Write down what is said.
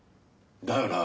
だよな。